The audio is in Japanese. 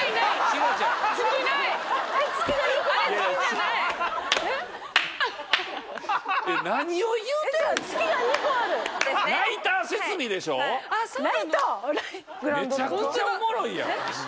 めちゃくちゃおもろいやん。